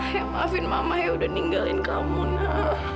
sayang maafin mama ya udah ninggalin kamu nak